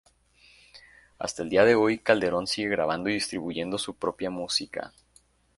Hasta el día de hoy, Calderón sigue grabando y distribuyendo su propia música.